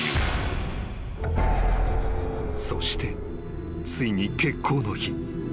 ［そしてついに決行の日］